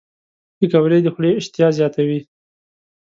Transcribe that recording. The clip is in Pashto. پکورې د خولې اشتها زیاتوي